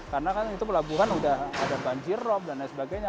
karena kan itu pelabuhan sudah ada banjir rob dan lain sebagainya